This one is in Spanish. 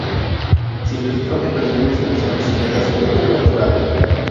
Se infiltró en reuniones de los camisas negras pero fue capturada.